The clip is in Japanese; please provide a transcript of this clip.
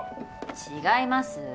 違います。